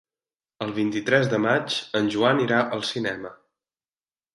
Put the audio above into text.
El vint-i-tres de maig en Joan irà al cinema.